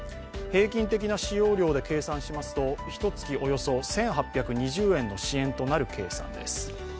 平均的な使用量で計算しますとひと月およそ１８２０円の支援となる計算です。